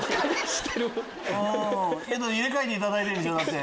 入れ替えていただいてるでしょ